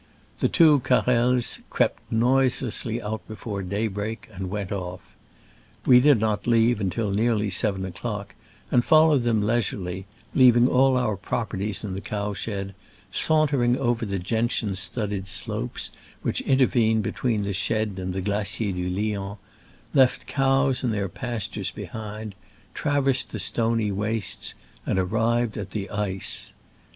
The two Carrels crept noiselessly out before daybreak, and went off. We did not leave until nearly seven o'clock, and followed them leisurely, leaving all our properties in the cow shed, saunter ed over the gentian studded slopes which intervene between the shed and the Gla cier du Lion, left cows and their pastures behind, traversed the stony wastes and arrived at the ice.